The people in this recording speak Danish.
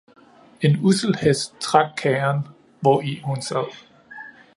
En ussel hest trak kærren, hvori hun sad.